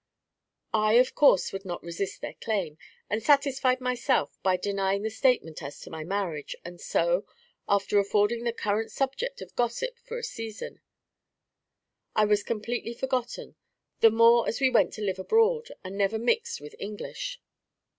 I, of course, would not resist their claim, and satisfied myself by denying the statement as to my marriage; and so, after affording the current subject of gossip for a season, I was completely forgotten, the more as we went to live abroad, and never mixed with English.